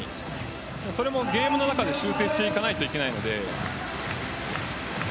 それもゲームの中で修正していかないといけないので。